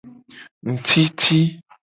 Ngtiti.